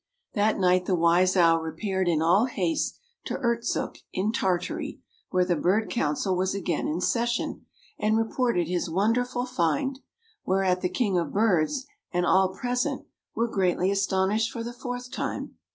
That night the wise owl repaired in all haste to Urtzook in Tartary, where the bird council was again in session, and reported his wonderful find, whereat the king of birds and all present were greatly astonished for the fourth time.